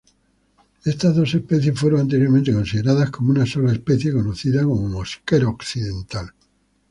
Estas dos especies fueron anteriormente consideradas como una sola especie conocida como mosquero occidental.